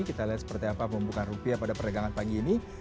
kita lihat seperti apa pembukaan rupiah pada perdagangan pagi ini